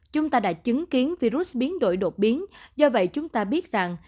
chúng ta đã chứng kiến virus biến đổi đột biến do vậy chúng ta biết rằng